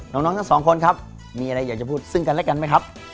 น้องทั้งสองคนครับมีอะไรอยากจะพูดซึ่งกันและกันไหมครับ